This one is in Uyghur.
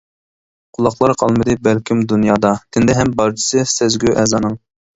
قۇلاقلار قالمىدى بەلكىم دۇنيادا، تىندى ھەم بارچىسى سەزگۈ ئەزانىڭ.